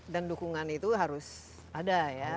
dan dukungan itu harus ada ya